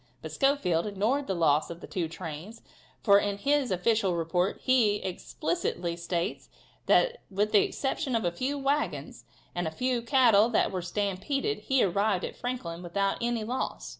But Schofield ignored the loss of the two trains, for, in his official report, he explicitly states that with the exception of a few wagons, and of a few cattle that were stampeded, he arrived at Franklin without any loss.